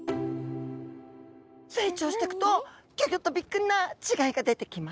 成長していくとギョギョッとびっくりな違いが出てきますよ。